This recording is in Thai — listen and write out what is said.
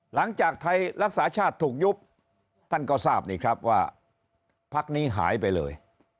หลังจากไทยรักษาชาติถูกยุบท่านก็ทราบนี่ครับว่าพักนี้หายไปเลย